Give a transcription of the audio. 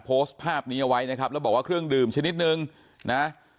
โพสต์ภาพนี้เอาไว้นะครับแล้วบอกว่าเครื่องดื่มชนิดนึงนะ